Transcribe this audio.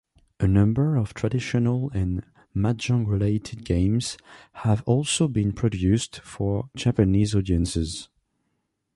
A number of traditional and Mahjong-related games have also been produced for Japanese audiences.